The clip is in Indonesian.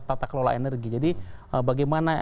tata kelola energi jadi bagaimana